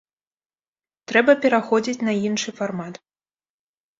Трэба пераходзіць на іншы фармат.